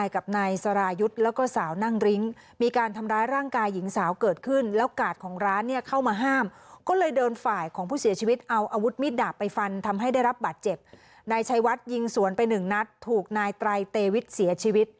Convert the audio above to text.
เขาไม่ได้ตั้งใจอยู่ว่าจะไปฟันเลยว่าอย่างนี้